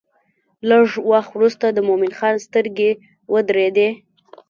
لږ وخت وروسته د مومن خان سترګې ودرېدې.